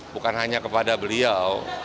bukan hanya kepada beliau